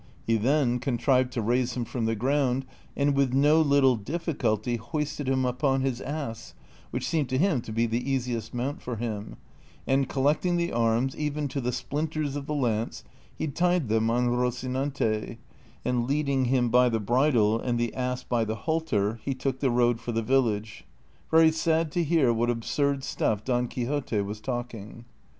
He then contrived to raise him from the ground, and with no little difficulty hoisted him upon his ass, which seemed to him to be the easiest mount for him ; and collecting the arms, even to the splinters of the lance, he tied them on Rocinante, and leading him by the bridle and the ass by the halter he took the road for the village, very sad to hear what absurd stuff Don Quixote was talking.